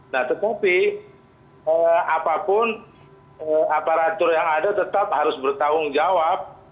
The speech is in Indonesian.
nah tetapi apapun aparatur yang ada tetap harus bertanggung jawab